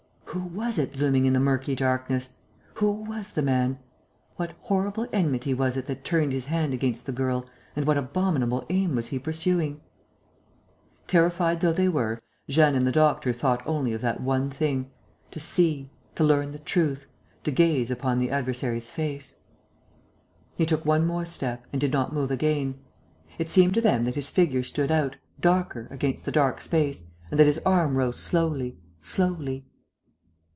Who was it looming in the murky darkness? Who was the man? What horrible enmity was it that turned his hand against the girl and what abominable aim was he pursuing? Terrified though they were, Jeanne and the doctor thought only of that one thing: to see, to learn the truth, to gaze upon the adversary's face. He took one more step and did not move again. It seemed to them that his figure stood out, darker, against the dark space and that his arm rose slowly, slowly....